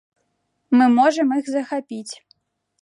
Мы можам іх захапіць.